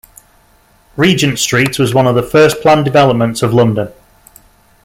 Regent Street was one of the first planned developments of London.